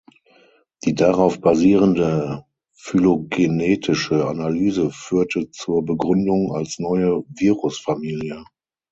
Die darauf basierende phylogenetische Analyse führte zur Begründung als neue Virusfamilie.